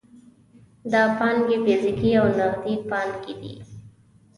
دا پانګې فزیکي او نغدي پانګې دي.